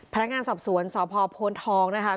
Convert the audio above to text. พนักงานสอบสวนสพโพนทองนะคะ